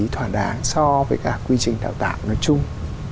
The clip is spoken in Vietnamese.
thỏa đáng so với các quy trình đào tạo nói chung